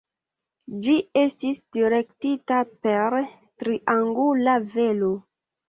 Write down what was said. Ĝi estis direktita per triangula velo.